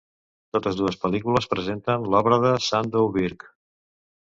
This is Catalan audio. Totes dues pel·lícules presenten l'obra de Sandow Birk.